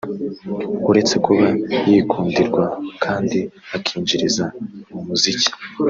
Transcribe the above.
uretse kuba yikundirwa kandi akinjiriza mu muziki